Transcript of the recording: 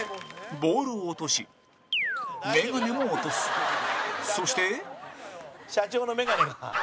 ボールを落とし眼鏡も落とすそして山崎：社長の眼鏡が。